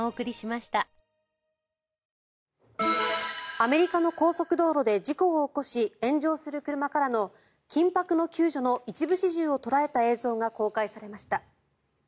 アメリカの高速道路で事故を起こし、炎上する車からの緊迫の救助の一部始終を捉えた映像が公開されました。